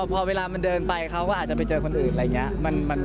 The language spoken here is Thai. พอเวลามันเดินไปเขาก็อาจจะไปเจอคนอื่นอะไรอย่างนี้